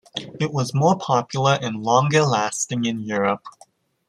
It was more popular and longer-lasting in Europe.